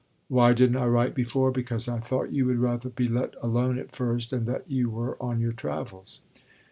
Why didn't I write before? Because I thought you would rather be let alone at first and that you were on your travels.